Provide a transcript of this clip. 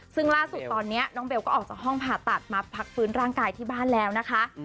ซึ่งล่าสุดตอนนี้น้องเบลก็ออกจากห้องผ่าตัดมาพักฟื้นร่างกายที่บ้านแล้วนะคะ